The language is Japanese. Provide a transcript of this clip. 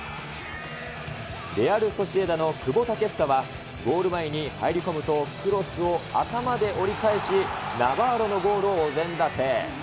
レアル・ソシエダの久保建英はゴール前に入り込むと、クロスを頭で折り返し、ナバーロのゴールをお膳立て。